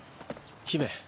姫